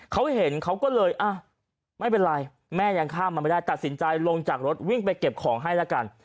เขาเห็นเขาก็เลยอ่ะไม่เป็นไรแม่ยังข้ามมาไม่ได้ตัดสินใจลงจากรถวิ่งไปเก็บของให้แล้วกัน